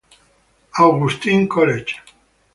Augustine College.